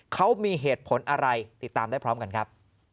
เขามีเหตุผลอะไรติดตามได้พร้อมกันครับ